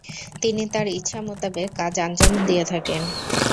তিনি তার ইচ্ছা মুতাবিক কাজ আঞ্জাম দিয়ে থাকেন।